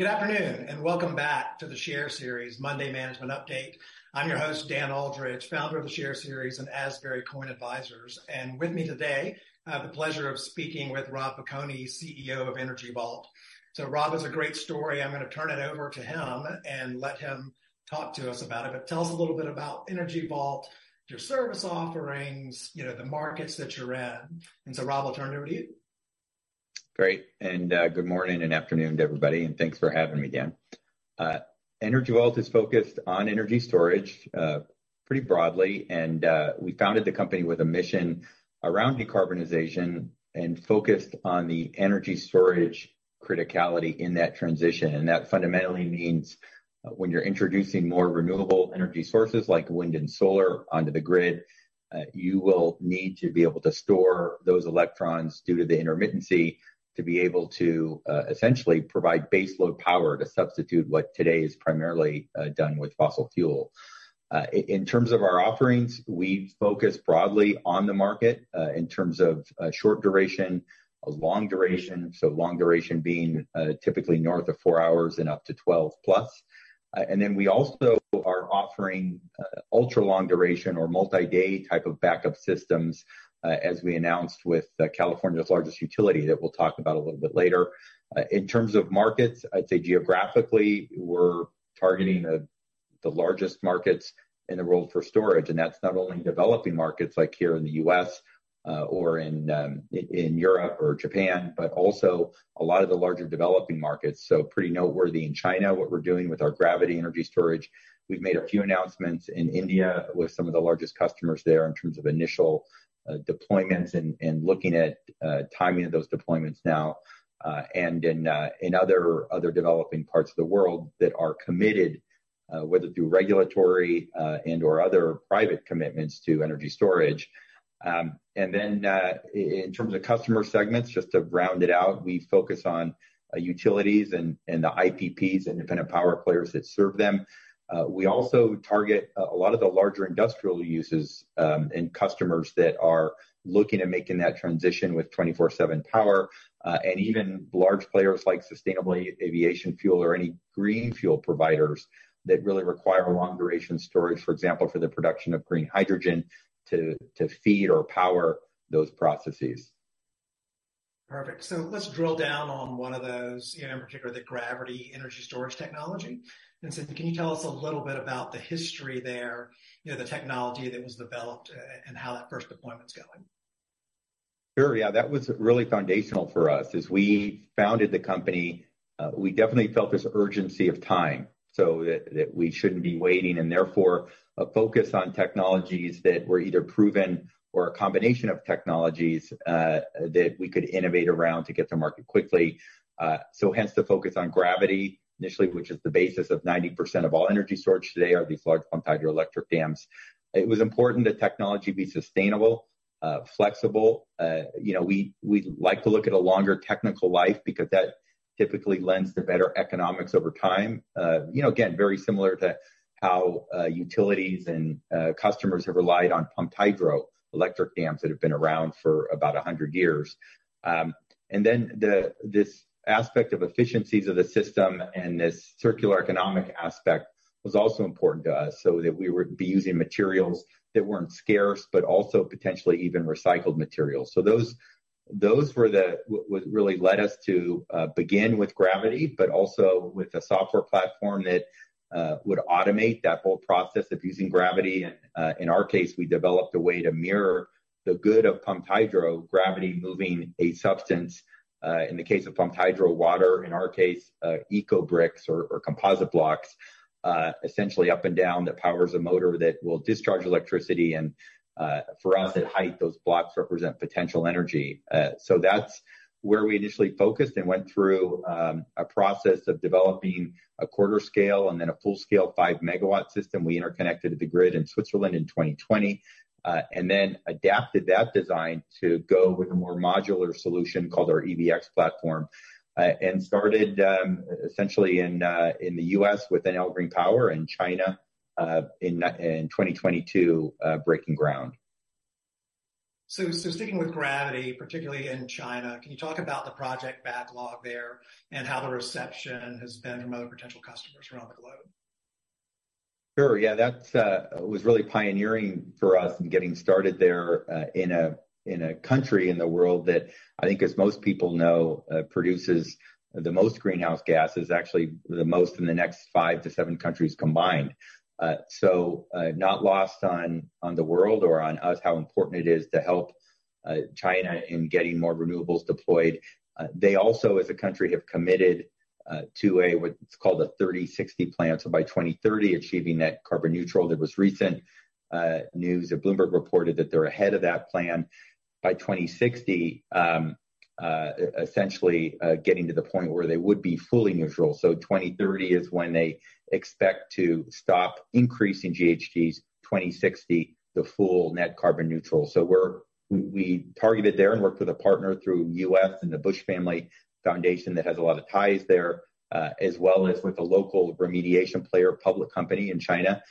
Good afternoon, and welcome back to the SHARE Series Monday Management Update. I'm your host, Dan Aldridge, founder of the SHARE Series and Asbury Cove Advisors. With me today, I have the pleasure of speaking with Rob Piconi, CEO of Energy Vault. Rob has a great story. I'm gonna turn it over to him and let him talk to us about it. Tell us a little bit about Energy Vault, your service offerings, you know, the markets that you're in. Rob, I'll turn it over to you. Great, and good morning and afternoon to everybody, and thanks for having me, Dan. Energy Vault is focused on energy storage, pretty broadly, and we founded the company with a mission around decarbonization and focused on the energy storage criticality in that transition. That fundamentally means, when you're introducing more renewable energy sources like wind and solar onto the grid, you will need to be able to store those electrons due to the intermittency, to be able to essentially provide baseload power to substitute what today is primarily done with fossil fuel. In terms of our offerings, we focus broadly on the market, in terms of short duration, long duration, so long duration being typically north of four hours and up to 12+. And then we also are offering ultra-long duration or multi-day type of backup systems, as we announced with California's largest utility, that we'll talk about a little bit later. In terms of markets, I'd say geographically, we're targeting the largest markets in the world for storage, and that's not only in developing markets like here in the U.S., or in Europe or Japan, but also a lot of the larger developing markets. So pretty noteworthy in China, what we're doing with our gravity energy storage. We've made a few announcements in India, with some of the largest customers there in terms of initial deployments and looking at timing of those deployments now. In other developing parts of the world that are committed, whether through regulatory and/or other private commitments to energy storage. In terms of customer segments, just to round it out, we focus on utilities and the IPPs, independent power producers that serve them. We also target a lot of the larger industrial uses and customers that are looking at making that transition with 24/7 power, and even large players like sustainable aviation fuel, or any green fuel providers that really require long-duration storage, for example, for the production of green hydrogen to feed or power those processes. Perfect. So let's drill down on one of those, you know, in particular, the gravity energy storage technology. So can you tell us a little bit about the history there, you know, the technology that was developed, and how that first deployment's going? Sure, yeah. That was really foundational for us. As we founded the company, we definitely felt this urgency of time, so that we shouldn't be waiting, and therefore, a focus on technologies that were either proven or a combination of technologies that we could innovate around to get to market quickly. So hence the focus on gravity, initially, which is the basis of 90% of all energy storage today, are these large pumped hydroelectric dams. It was important the technology be sustainable, flexible. You know, we like to look at a longer technical life because that typically lends to better economics over time. You know, again, very similar to how utilities and customers have relied on pumped hydroelectric dams that have been around for about 100 years. And then this aspect of efficiencies of the system and this circular economic aspect was also important to us, so that we would be using materials that weren't scarce, but also potentially even recycled materials. So those were what really led us to begin with gravity, but also with a software platform that would automate that whole process of using gravity. In our case, we developed a way to mirror the good of pumped hydro, gravity moving a substance, in the case of pumped hydro, water, in our case, eco bricks or composite blocks, essentially up and down, that powers a motor that will discharge electricity, and for us, at height, those blocks represent potential energy. So that's where we initially focused and went through a process of developing a quarter scale and then a full-scale 5-megawatt system. We interconnected to the grid in Switzerland in 2020, and then adapted that design to go with a more modular solution called our EVx platform. And started essentially in the U.S., with Enel Green Power, in China, in 2022, breaking ground. So, sticking with gravity, particularly in China, can you talk about the project backlog there, and how the reception has been from other potential customers around the globe? Sure, yeah. That was really pioneering for us in getting started there, in a country in the world that I think, as most people know, produces the most greenhouse gases, actually, the most in the next five to seven countries combined. So, not lost on the world or on us, how important it is to help China in getting more renewables deployed. They also, as a country, have committed to a, what's called a Thirty/Sixty Plan, so by 2030, achieving net carbon neutral. There was recent news that Bloomberg reported that they're ahead of that plan. By 2060, essentially, getting to the point where they would be fully neutral. So 2030 is when they expect to stop increasing GHGs. 2060, the full net carbon neutral. So we targeted there and worked with a partner through U.S. and the Bush Family Foundation that has a lot of ties there, as well as with a local remediation player, public company in China,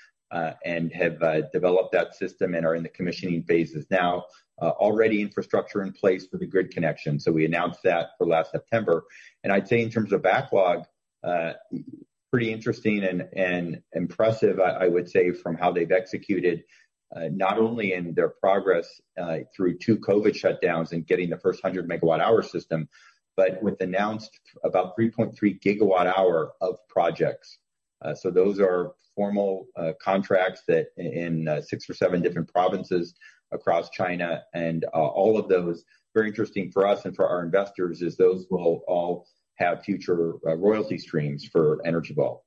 and have developed that system and are in the commissioning phases now. Already, infrastructure in place for the grid connection, so we announced that for last September. And I'd say in terms of backlog... Pretty interesting and impressive, I would say, from how they've executed, not only in their progress through two COVID shutdowns and getting the first 100 MWh system, but with announced about 3.3 GWh of projects. So those are formal contracts that in six or seven different provinces across China, and all of those, very interesting for us and for our investors, is those will all have future royalty streams for Energy Vault.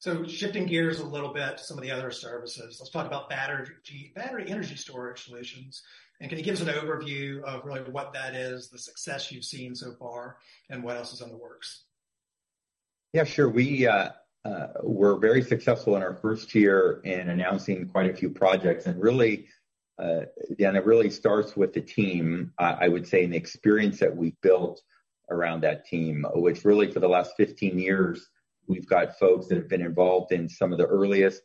So shifting gears a little bit to some of the other services. Let's talk about battery energy storage solutions, and can you give us an overview of really what that is, the success you've seen so far, and what else is in the works? Yeah, sure. We were very successful in our first year in announcing quite a few projects, and really, again, it really starts with the team. I would say, and the experience that we've built around that team, which really for the last 15 years, we've got folks that have been involved in some of the earliest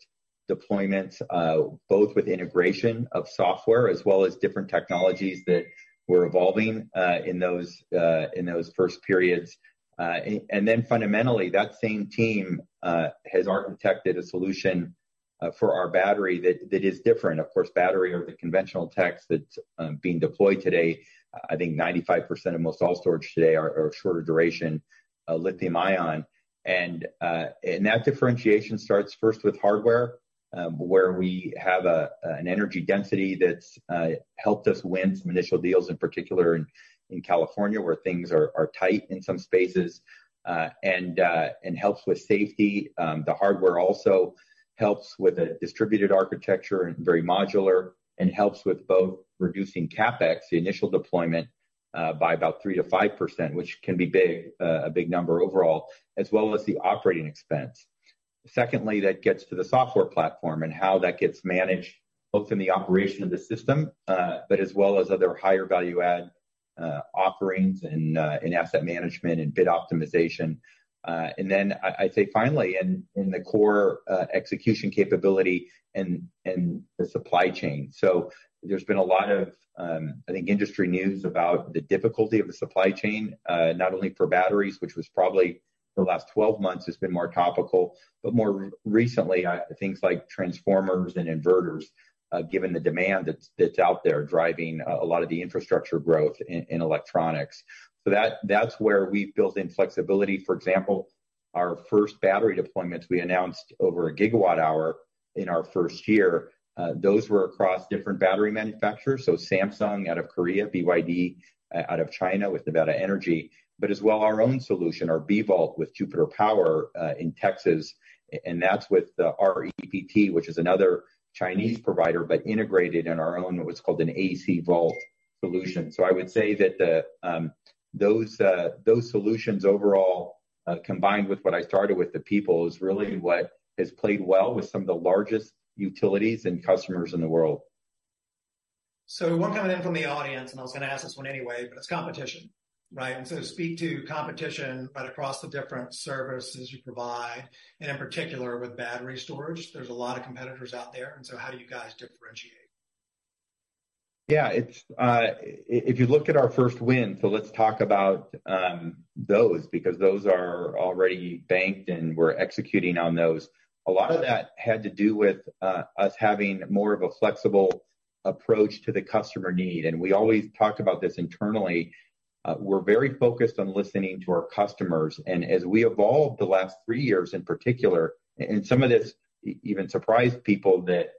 deployments, both with integration of software as well as different technologies that were evolving, in those, in those first periods. And then fundamentally, that same team has architected a solution for our battery that is different. Of course, battery or the conventional techs that being deployed today, I think 95% of most all storage today are shorter duration lithium-ion. And that differentiation starts first with hardware, where we have an energy density that's helped us win some initial deals, in particular in California, where things are tight in some spaces, and helps with safety. The hardware also helps with a distributed architecture, and very modular, and helps with both reducing CapEx, the initial deployment, by about 3%-5%, which can be big, a big number overall, as well as the operating expense. Secondly, that gets to the software platform and how that gets managed, both in the operation of the system, but as well as other higher value add offerings in asset management and bid optimization. And then I'd say finally, in the core execution capability and the supply chain. There's been a lot of, I think, industry news about the difficulty of the supply chain, not only for batteries, which was probably the last 12 months has been more topical, but more recently, things like transformers and inverters, given the demand that's out there, driving a lot of the infrastructure growth in electronics. That's where we've built in flexibility. For example, our first battery deployments, we announced over a gigawatt-hour in our first year. Those were across different battery manufacturers, so Samsung out of Korea, BYD out of China with Nevada Energy, but as well, our own solution, our B-VAULT with Jupiter Power in Texas, and that's with the REPT, which is another Chinese provider, but integrated in our own, what's called an AC vault solution. I would say that those solutions overall, combined with what I started with the people, is really what has played well with some of the largest utilities and customers in the world. So one coming in from the audience, and I was gonna ask this one anyway, but it's competition, right? And so speak to competition, but across the different services you provide, and in particular, with battery storage. There's a lot of competitors out there, and so how do you guys differentiate? Yeah, it's... If you look at our first win, so let's talk about those, because those are already banked, and we're executing on those. A lot of that had to do with us having more of a flexible approach to the customer need. And we always talked about this internally, we're very focused on listening to our customers, and as we evolved the last three years, in particular, and some of this even surprised people that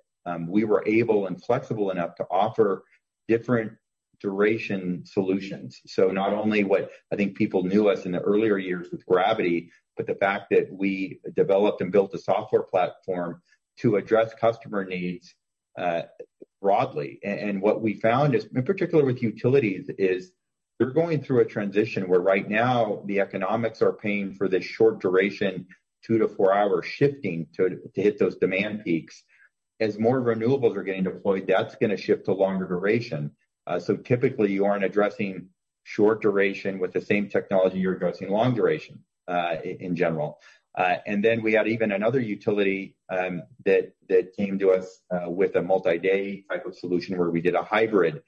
we were able and flexible enough to offer different duration solutions. So not only what I think people knew us in the earlier years with Gravity, but the fact that we developed and built a software platform to address customer needs broadly. And what we found is, in particular with utilities, is they're going through a transition where right now, the economics are paying for this short duration, 2-4-hour shifting, to hit those demand peaks. As more renewables are getting deployed, that's gonna shift to longer duration. So typically, you aren't addressing short duration with the same technology, you're addressing long duration, in general. And then we had even another utility, that came to us, with a multi-day type of solution, where we did a hybrid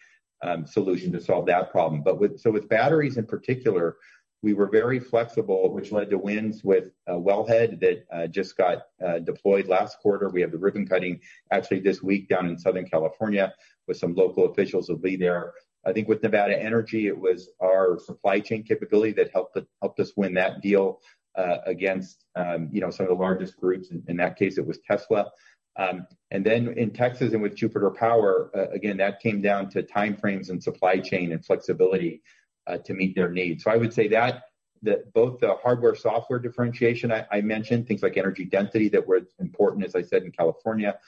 solution to solve that problem. But so with batteries in particular, we were very flexible, which led to wins with Wellhead, that just got deployed last quarter. We have the ribbon cutting actually this week down in Southern California, with some local officials who'll be there. I think with Nevada Energy, it was our supply chain capability that helped us win that deal, against, you know, some of the largest groups. In, in that case, it was Tesla. And then in Texas, and with Jupiter Power, again, that came down to timeframes and supply chain and flexibility, to meet their needs. So I would say that, the, both the hardware, software differentiation I, I mentioned, things like energy density, that were important, as I said, in California,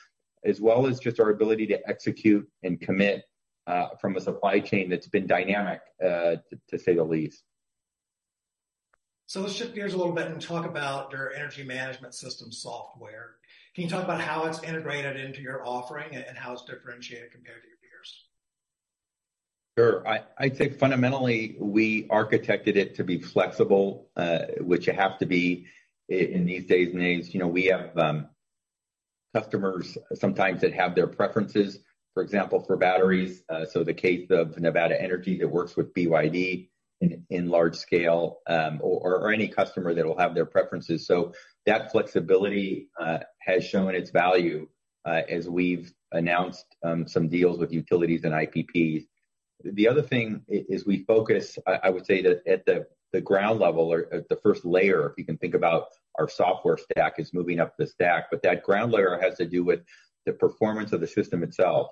as well as just our ability to execute and commit, from a supply chain that's been dynamic, to, to say the least. Let's shift gears a little bit and talk about your energy management system software. Can you talk about how it's integrated into your offering and how it's differentiated compared to your peers? Sure. I'd say fundamentally, we architected it to be flexible, which you have to be in this day and age. You know, we have customers sometimes that have their preferences, for example, for batteries. So in the case of Nevada Energy that works with BYD in large scale, or any customer that will have their preferences. So that flexibility has shown its value, as we've announced some deals with utilities and IPPs. The other thing is we focus, I would say, that at the ground level or at the first layer, if you can think about our software stack, is moving up the stack. But that ground layer has to do with the performance of the system itself,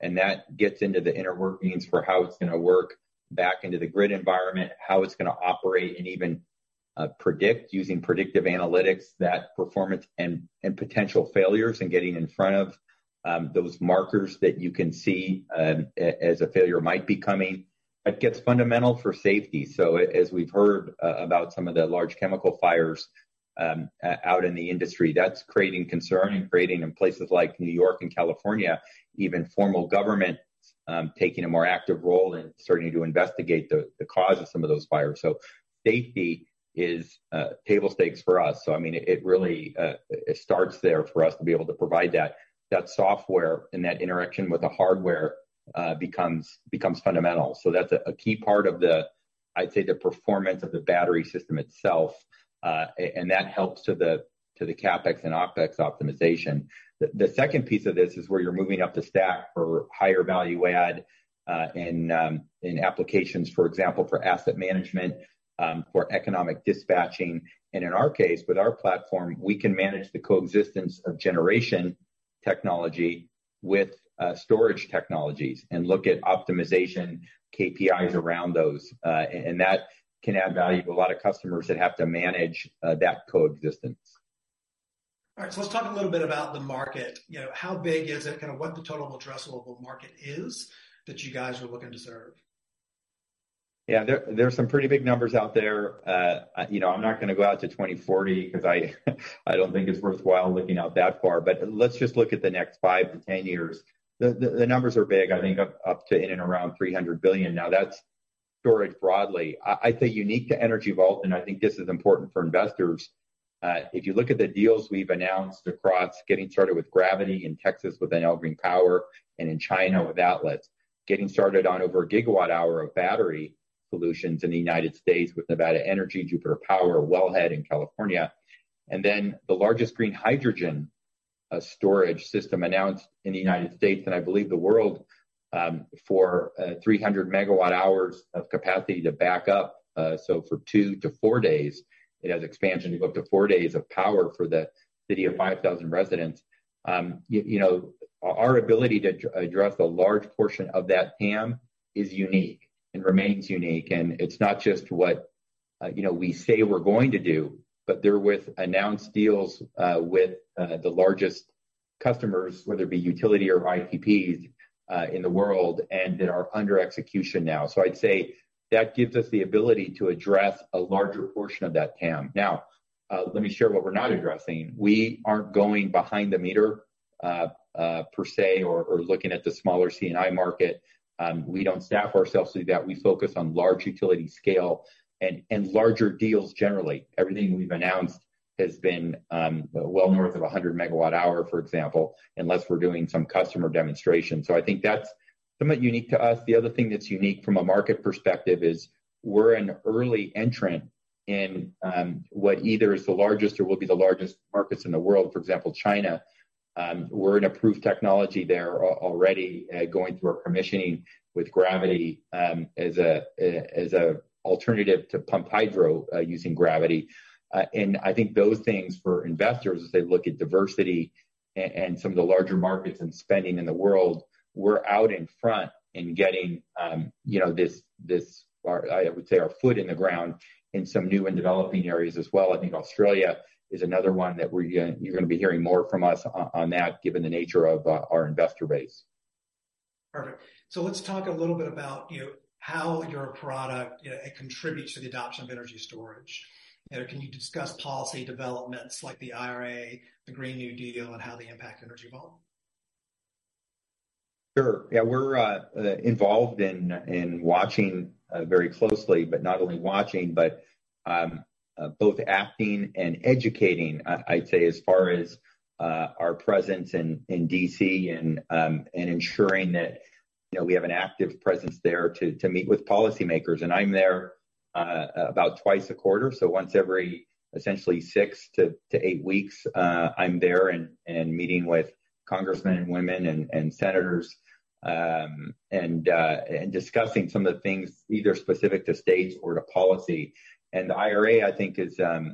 and that gets into the inner workings for how it's gonna work back into the grid environment, how it's gonna operate, and even predict using predictive analytics, that performance and, and potential failures, and getting in front of those markers that you can see as a failure might be coming. It gets fundamental for safety. So as we've heard about some of the large chemical fires out in the industry, that's creating concern and creating in places like New York and California, even formal government taking a more active role and starting to investigate the cause of some of those fires. So safety is table stakes for us. So I mean, it really starts there for us to be able to provide that. That software and that interaction with the hardware becomes fundamental. So that's a key part of the, I'd say, the performance of the battery system itself, and that helps to the CapEx and OpEx optimization. The second piece of this is where you're moving up the stack for higher value add in applications, for example, for asset management, for economic dispatching. And in our case, with our platform, we can manage the coexistence of generation technology with storage technologies and look at optimization KPIs around those. And that can add value to a lot of customers that have to manage that coexistence. All right, so let's talk a little bit about the market. You know, how big is it? Kinda what the total addressable market is that you guys are looking to serve? Yeah, there are some pretty big numbers out there. You know, I'm not gonna go out to 2040 because I don't think it's worthwhile looking out that far. But let's just look at the next 5-10 years. The numbers are big, I think up to in and around $300 billion. Now that's storage broadly. I'd say unique to Energy Vault, and I think this is important for investors, if you look at the deals we've announced across getting started with Gravity in Texas, with Enel Green Power, and in China with Atlas, getting started on over a gigawatt hour of battery solutions in the United States with Nevada Energy, Jupiter Power, Wellhead in California, and then the largest green hydrogen storage system announced in the United States, and I believe the world, for 300 megawatt-hours of capacity to back up, so for 2-4 days. It has expansion to go up to 4 days of power for the city of 5,000 residents. You know, our ability to address a large portion of that TAM is unique and remains unique. It's not just what, you know, we say we're going to do, but they're with announced deals with the largest customers, whether it be utility or IPPs in the world, and that are under execution now. So I'd say that gives us the ability to address a larger portion of that TAM. Now, let me share what we're not addressing. We aren't going behind the meter per se, or looking at the smaller C&I market. We don't staff ourselves to do that. We focus on large utility-scale and larger deals generally. Everything we've announced has been well north of 100 MWh, for example, unless we're doing some customer demonstration. So I think that's somewhat unique to us. The other thing that's unique from a market perspective is we're an early entrant in what either is the largest or will be the largest markets in the world, for example, China. We're an approved technology there already, going through our permissioning with gravity, as an alternative to pumped hydro, using gravity. And I think those things for investors, as they look at diversity and some of the larger markets and spending in the world, we're out in front in getting, you know, this, this, or I would say, our foot in the ground in some new and developing areas as well. I think Australia is another one that we're gonna. You're gonna be hearing more from us on that, given the nature of our investor base. Perfect. So let's talk a little bit about, you know, how your product, you know, it contributes to the adoption of energy storage. Can you discuss policy developments like the IRA, the Green New Deal, and how they impact Energy Vault? Sure. Yeah, we're involved in watching very closely, but not only watching, but both acting and educating, I'd say, as far as our presence in D.C. and ensuring that, you know, we have an active presence there to meet with policymakers. And I'm there about twice a quarter, so once every essentially six to eight weeks, I'm there and meeting with congressmen and women and senators, and discussing some of the things either specific to states or to policy. And the IRA, I think, is a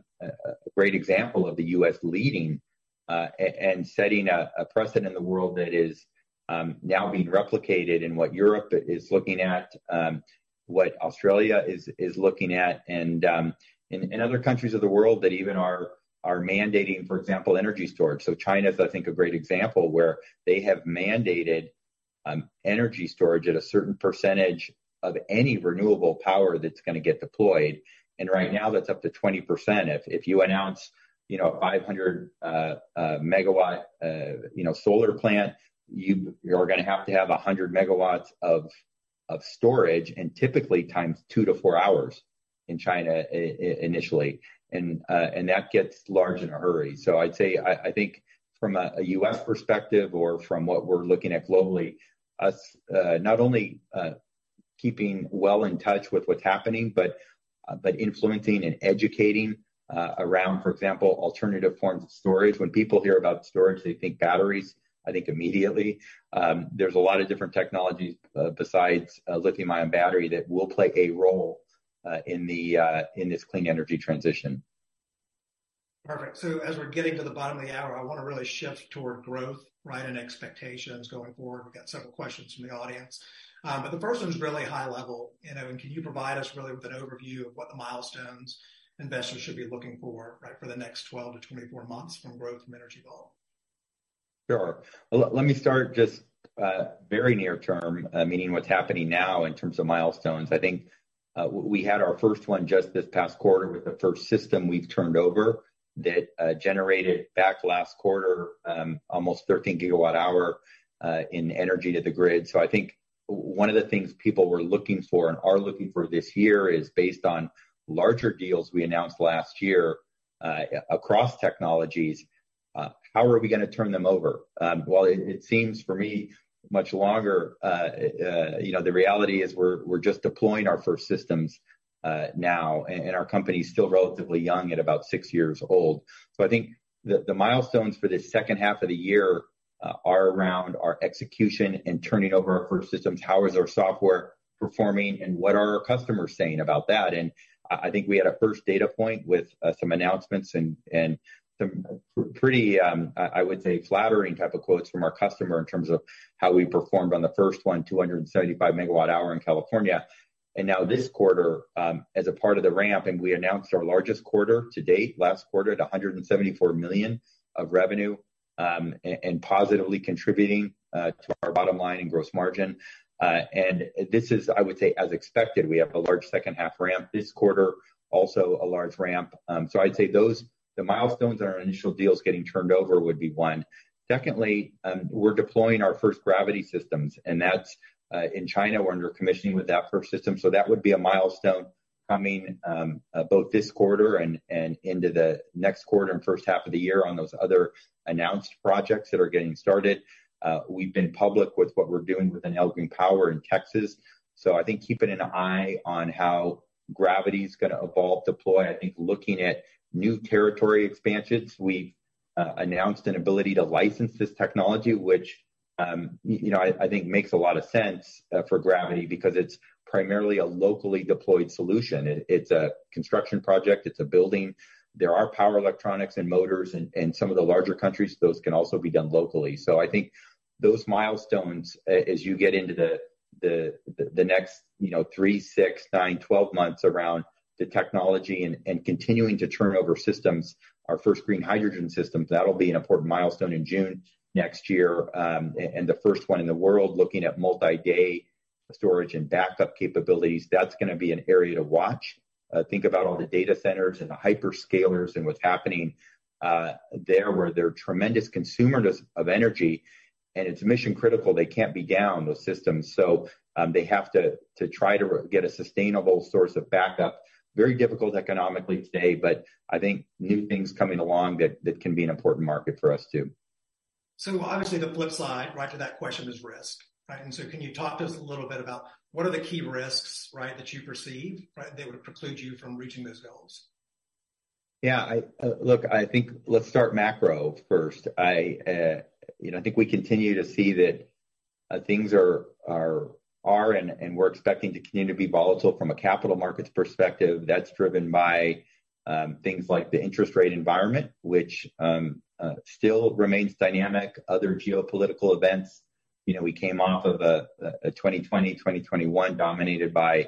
great example of the U.S. leading and setting a precedent in the world that is now being replicated in what Europe is looking at, what Australia is looking at, and other countries of the world that even are mandating, for example, energy storage. So China is, I think, a great example where they have mandated energy storage at a certain percentage of any renewable power that's gonna get deployed, and right now that's up to 20%. If you announce, you know, a 500-megawatt, you know, solar plant, you're gonna have to have 100 megawatts of storage, and typically times 2-4-hours in China initially. And that gets large in a hurry. So I'd say, I think from a U.S. perspective or from what we're looking at globally, not only keeping well in touch with what's happening, but influencing and educating around, for example, alternative forms of storage. When people hear about storage, they think batteries, I think immediately. There's a lot of different technologies besides a lithium-ion battery that will play a role in this clean energy transition. Perfect. So as we're getting to the bottom of the hour, I want to really shift toward growth, right, and expectations going forward. We've got several questions from the audience. But the first one's really high level, you know, and can you provide us really with an overview of what the milestones investors should be looking for, right, for the next 12-24-months from growth from Energy Vault? Sure. Let me start just very near term, meaning what's happening now in terms of milestones. I think we had our first one just this past quarter with the first system we've turned over, that generated back last quarter, almost 13 GWh in energy to the grid. So I think one of the things people were looking for and are looking for this year is based on larger deals we announced last year, across technologies, how are we gonna turn them over? While it seems for me much longer, you know, the reality is we're just deploying our first systems now, and our company's still relatively young at about 6 years old. So I think the milestones for this second half of the year are around our execution and turning over our first systems, how is our software performing, and what are our customers saying about that? And I think we had a first data point with some announcements and some pretty flattering type of quotes from our customer in terms of how we performed on the first 275 MWh in California. And now this quarter, as a part of the ramp, and we announced our largest quarter to date, last quarter, at $174 million of revenue, and positively contributing to our bottom line in gross margin. And this is, I would say, as expected, we have a large second half ramp. This quarter, also a large ramp. So I'd say those, the milestones and our initial deals getting turned over would be one. Secondly, we're deploying our first gravity systems, and that's in China, we're under commissioning with that first system, so that would be a milestone coming both this quarter and into the next quarter and first half of the year on those other announced projects that are getting started. We've been public with what we're doing with Enel Green Power in Texas. So I think keeping an eye on how gravity's gonna evolve, deploy. I think looking at new territory expansions. We've announced an ability to license this technology, which you know, I think makes a lot of sense for gravity because it's primarily a locally deployed solution. It, it's a construction project, it's a building. There are power electronics and motors, in some of the larger countries, those can also be done locally. So I think those milestones, as you get into the next, you know, 3, 6, 9, 12 months around the technology and continuing to turn over systems, our first green hydrogen systems, that'll be an important milestone in June next year. And the first one in the world, looking at multi-day storage and backup capabilities, that's gonna be an area to watch. Think about all the data centers and the hyperscalers and what's happening there, where they're tremendous consumers of energy, and it's mission critical, they can't be down, those systems. So they have to try to get a sustainable source of backup. Very difficult economically today, but I think new things coming along, that, that can be an important market for us, too. So obviously, the flip side, right, to that question is risk, right? And so can you talk to us a little bit about what are the key risks, right, that you perceive, right, that would preclude you from reaching those goals? Yeah, I look. I think let's start macro first. I, you know, I think we continue to see that things are, and we're expecting to continue to be volatile from a capital markets perspective. That's driven by things like the interest rate environment, which still remains dynamic. Other geopolitical events, you know, we came off of a 2020, 2021 dominated by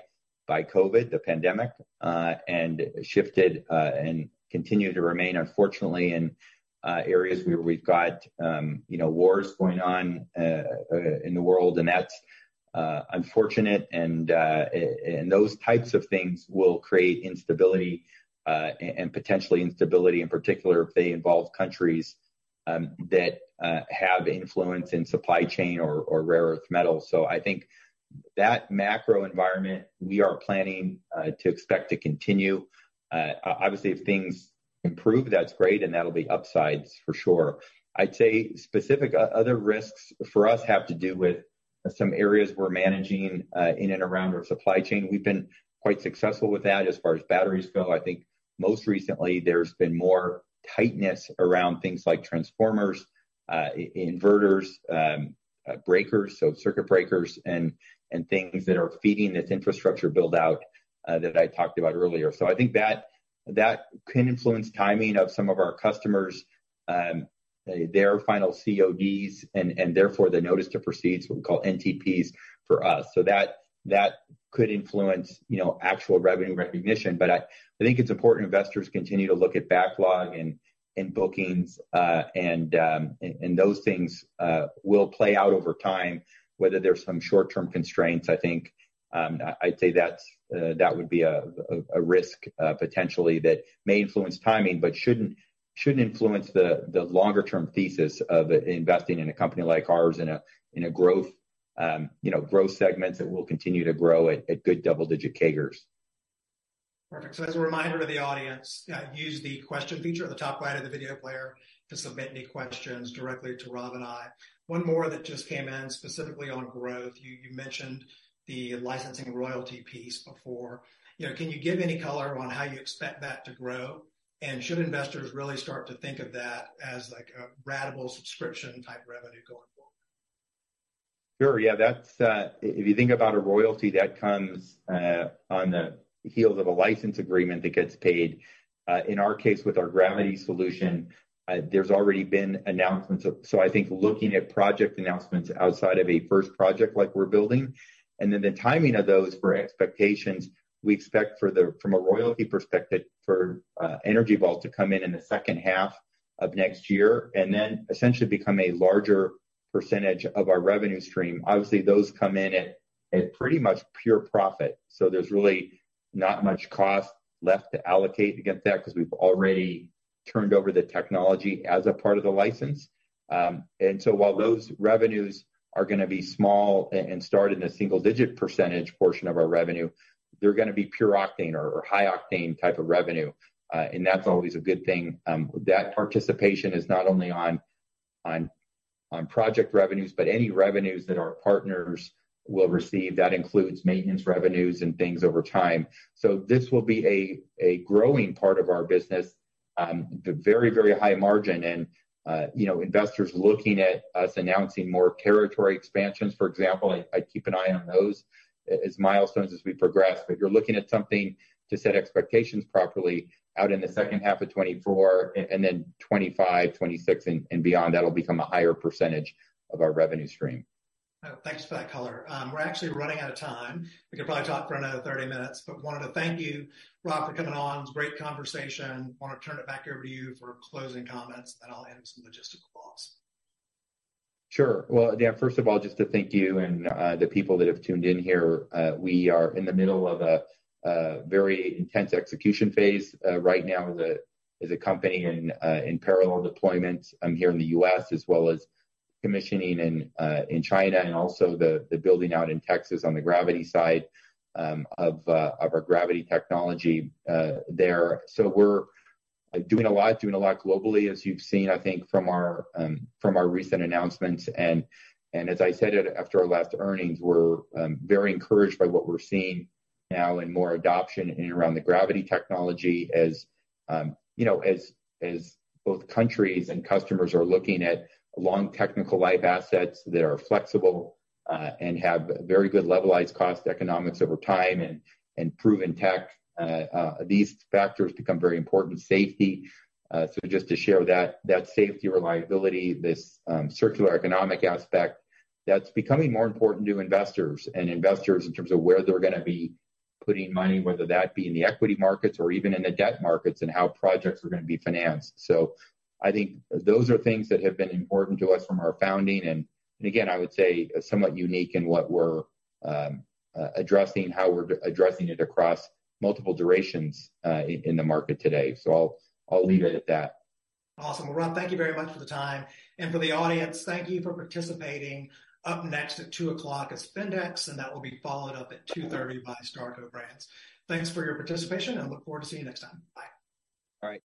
COVID, the pandemic, and shifted and continue to remain, unfortunately, in areas where we've got, you know, wars going on in the world, and that's unfortunate. And those types of things will create instability and potentially instability in particular, if they involve countries that have influence in supply chain or rare earth metals. So I think that macro environment we are planning to expect to continue. Obviously, if things improve, that's great, and that'll be upsides for sure. I'd say specific other risks for us have to do with some areas we're managing in and around our supply chain. We've been quite successful with that as far as batteries go. I think most recently, there's been more tightness around things like transformers, inverters, breakers, so circuit breakers and things that are feeding this infrastructure build-out that I talked about earlier. So I think that can influence timing of some of our customers' final CODs, and therefore, the notice to proceed, so we call NTPs for us. So that could influence, you know, actual revenue recognition. But I think it's important investors continue to look at backlog and bookings and those things will play out over time, whether there's some short-term constraints, I think. I'd say that's a risk potentially that may influence timing, but shouldn't influence the longer term thesis of investing in a company like ours in a growth, you know, growth segments that will continue to grow at good double-digit CAGRs. Perfect. So as a reminder to the audience, use the question feature at the top right of the video player to submit any questions directly to Rob and I. One more that just came in, specifically on growth. You, you mentioned the licensing royalty piece before. You know, can you give any color on how you expect that to grow? And should investors really start to think of that as, like, a ratable subscription-type revenue going forward? Sure, yeah. That's, if you think about a royalty, that comes on the heels of a license agreement that gets paid. In our case, with our Gravity solution, there's already been announcements. So I think looking at project announcements outside of a first project like we're building, and then the timing of those for expectations, we expect for the—from a royalty perspective, for, Energy Vault to come in in the second half of next year, and then essentially become a larger percentage of our revenue stream. Obviously, those come in at pretty much pure profit, so there's really not much cost left to allocate against that, because we've already turned over the technology as a part of the license. And so while those revenues are gonna be small and start in a single-digit % portion of our revenue, they're gonna be pure octane or high octane type of revenue, and that's always a good thing. That participation is not only on project revenues, but any revenues that our partners will receive. That includes maintenance revenues and things over time. So this will be a growing part of our business, the very, very high margin. And you know, investors looking at us announcing more territory expansions, for example, I'd keep an eye on those as milestones as we progress. But you're looking at something to set expectations properly out in the second half of 2024 and then 2025, 2026 and beyond, that'll become a higher percentage of our revenue stream. Thanks for that color. We're actually running out of time. We could probably talk for another 30 minutes, but wanted to thank you, Rob, for coming on. It was a great conversation. Wanna turn it back over to you for closing comments, then I'll end with some logistical thoughts. Sure. Well, Dan, first of all, just to thank you and the people that have tuned in here. We are in the middle of a very intense execution phase. Right now, as a company in parallel deployment here in the U.S., as well as commissioning in China and also the building out in Texas on the Gravity side of our Gravity technology there. So we're doing a lot, doing a lot globally, as you've seen, I think from our recent announcements. And as I said after our last earnings, we're very encouraged by what we're seeing now in more adoption in and around the Gravity technology. As you know, as both countries and customers are looking at long technical life assets that are flexible, and have very good levelized cost economics over time and proven tech, these factors become very important. Safety, so just to share that, that safety, reliability, this circular economic aspect, that's becoming more important to investors, and investors in terms of where they're gonna be putting money, whether that be in the equity markets or even in the debt markets, and how projects are gonna be financed. So I think those are things that have been important to us from our founding, and again, I would say somewhat unique in what we're addressing, how we're addressing it across multiple durations in the market today. So I'll leave it at that. Awesome. Well, Rob, thank you very much for the time. For the audience, thank you for participating. Up next at 2:00P.M. is FendX, and that will be followed up at 2:30 P.M. by Starco Brands. Thanks for your participation, and I look forward to seeing you next time. Bye. All right.